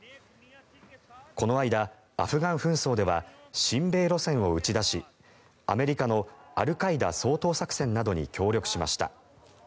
この間、アフガン紛争では親米路線を打ち出しアメリカのアルカイダ掃討作戦などに協力しました。